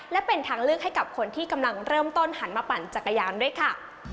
และเป็นทางเลือกให้กับคนที่กำลังเริ่มต้นหันมาปั่นจักรยานด้วยค่ะ